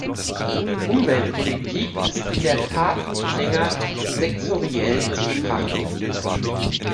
Umweltpolitik ist in der Tat nicht länger sektoriell zu betrachten.